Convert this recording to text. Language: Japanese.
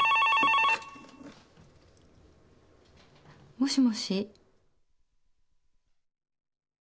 ・☎☎もしもし？